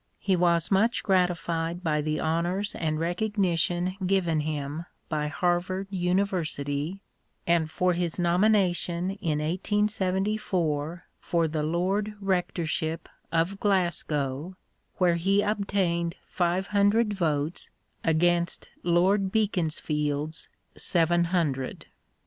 He was much gratified by the honours and recognition given him by Harvard University, and for his nomina tion in 1874 for the Lord Rectorship of Glasgow, where he obtained five hundred votes against Lord Beaconsfield's seven hundred.